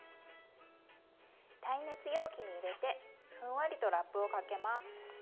耐熱容器に入れてふんわりとラップをかけます。